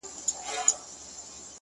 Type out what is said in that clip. •« که مي څوک په فقیری شمېري فقیر سم,